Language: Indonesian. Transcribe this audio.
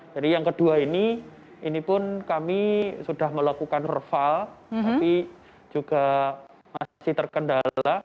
jadi yang kedua ini ini pun kami sudah melakukan verval tapi juga masih terkendala